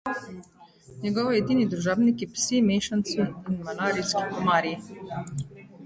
Njegovi edini družabniki, psi mešanci in malarijski komarji.